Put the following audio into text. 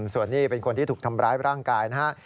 ส่วนนี้เป็นคนที่ถูกทำร้ายร่างกายนะฮะ